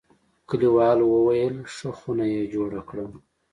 کلیوالو ویل: ښه خونه یې جوړه کړه.